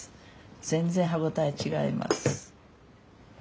全然歯応え違います。